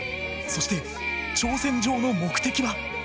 そして挑戦状の目的は。